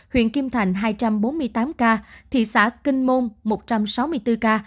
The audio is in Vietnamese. huyện kim thành hai trăm bốn mươi tám ca thị xã kinh môn một trăm sáu mươi bốn ca